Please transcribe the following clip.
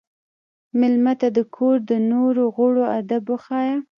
مېلمه ته د کور د نورو غړو ادب وښایه.